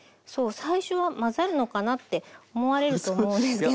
最初は「混ざるのかな？」って思われると思うんですけど。